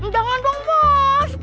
jangan dong bos